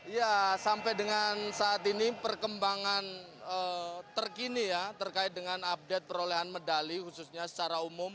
ya sampai dengan saat ini perkembangan terkini ya terkait dengan update perolehan medali khususnya secara umum